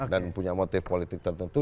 dan punya motif politik tertentu